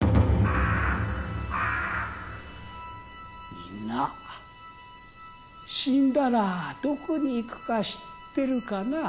みんな死んだらどこに行くか知ってるかな？